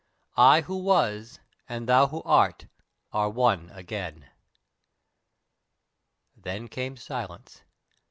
I who was, and thou who art, are one again!" Then came silence.